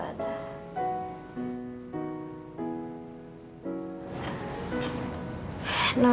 aku gak tau aku harus gimana